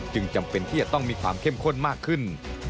จำเป็นที่จะต้องมีความเข้มข้นมากขึ้น